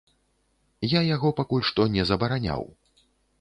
Я яго пакуль што не забараняў.